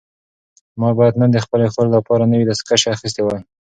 ما باید نن د خپلې خور لپاره نوي دستکشې اخیستې وای.